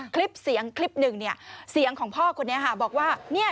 คลิปเสียงคลิปหนึ่งเนี่ย